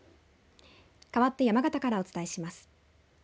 かわって山形からお伝えします。